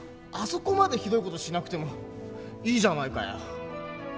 そこまでひどい事しなくてもいいじゃないかよ。